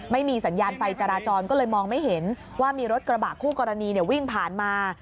ไม่มีสัญญาณไฟจราจรก็เลยมองไม่เห็นว่ามีรถกระบะคู่กรณีวิ่งผ่านมา